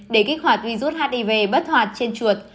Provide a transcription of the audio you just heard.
để kích hoạt virus hiv bất hoạt trên chuột